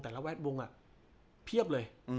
แต่ละแวดวงอ่ะเพียบเลย